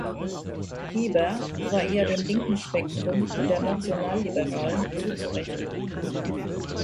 Hieber war eher dem linken Spektrum der Nationalliberalen zuzurechnen.